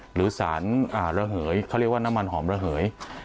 หรือสารระเหยเขาเรียกว่าน้ำมันหอมระเหย